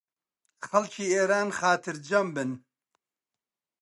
خەڵکی ئێران خاترجەم بن